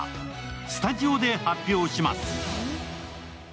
スタジオで発表します。